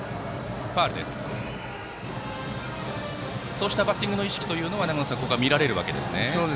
そうしたバッティングの意識は長野さん、見られるわけですね。